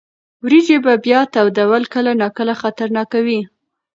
وریجې بیا تودول کله ناکله خطرناک وي.